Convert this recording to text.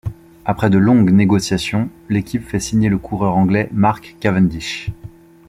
Après de longues négociations, l'équipe fait signer le coureur anglais Mark Cavendish.